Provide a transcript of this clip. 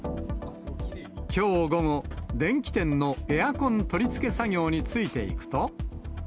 きょう午後、電器店のエアコン取り付け作業についていくと。